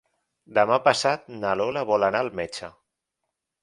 Demà passat na Lola vol anar al metge.